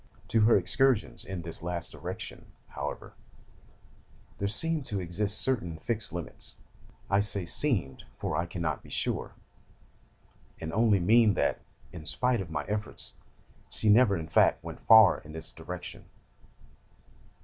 To her excursions in this last direction, however, there seemed to exist certain fixed limits: I say seemed, for I cannot be sure, and only mean that, in spite of my efforts, she never, in fact, went far in this direction.